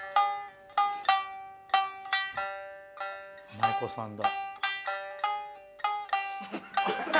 舞妓さんだ。